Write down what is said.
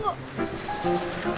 bik satu dong